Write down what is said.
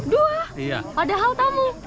dua padahal tamu